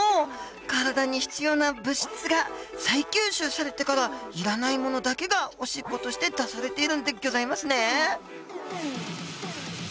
体に必要な物質が再吸収されてからいらないものだけがおしっことして出されているんでギョざいますね。